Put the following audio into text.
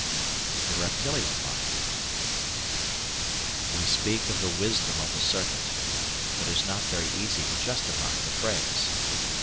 § 4 The Reptilian Mind We speak of the wisdom of the serpent; but it is not very easy to justify the phrase.